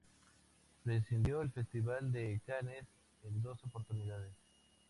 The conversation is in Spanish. Presidió el Festival de Cannes en dos oportunidades.